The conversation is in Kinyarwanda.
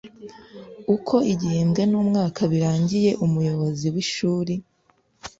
Uko igihembwe n umwaka birangiye Umuyobozi w Ishuri